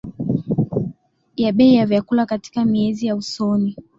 ya bei ya vyakula katika miezi ya usoni